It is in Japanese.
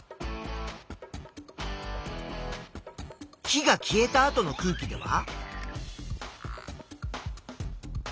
火が消えた後の空気では？